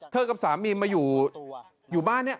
กับสามีมาอยู่บ้านเนี่ย